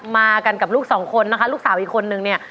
มากับลูก๒คนนะคะลูกสาวอีกคนหนึ่งเนี่ย